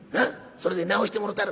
それで治してもろたる。